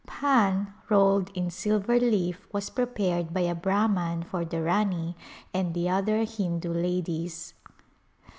Pan rolled in silver leaf was prepared by a Brahman for the Rani and the other Hindu ladies.